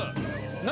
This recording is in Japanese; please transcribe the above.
何？